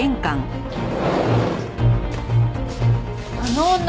あの女